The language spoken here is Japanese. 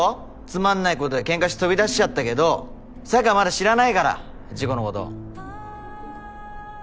つまんないことでケンカして飛び出しちゃったけど紗也香はまだ知らないから事故のこと。